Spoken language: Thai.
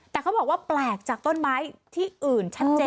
แต่เขาบอกว่าแปลกจากต้นไม้ที่อื่นชัดเจน